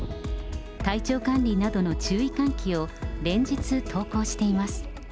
体調管理などの注意喚起を連日投稿しています。